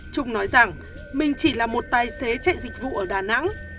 trung nói rằng mình chỉ là một tài xế chạy dịch vụ ở đà nẵng